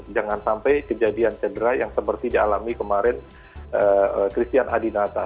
jangan sampai kejadian cedera yang seperti dialami kemarin christian adinata